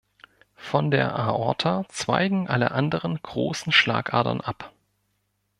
Von der Aorta zweigen alle anderen großen Schlagadern ab.